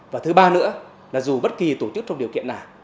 và thứ ba nữa là dù bất kỳ tổ chức trong khu vực này